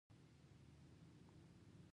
زموږ خر په آرامۍ ولاړ وي.